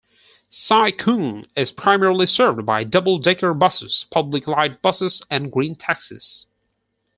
Sai Kung is primarily served by double-decker buses, public light buses and green taxis.